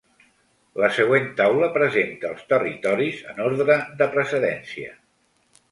La següent taula presenta els territoris en ordre de precedència.